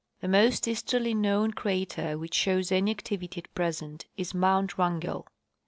The most easterly known crater which shows any activity at present is mount Wrangell.